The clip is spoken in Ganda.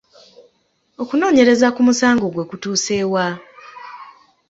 Okunoonyereza ku musango gwe kutuuse wa?